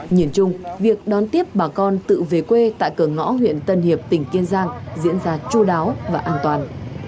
nhìn chung việc đón tiếp bà con tự về quê tại cửa ngõ huyện tân hiệp tỉnh kiên giang diễn ra chú đáo và an toàn